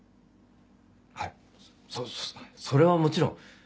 はいそそれはもちろん。